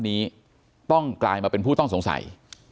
นี้ต้องกลายมาเป็นผู้ต้องสงสัย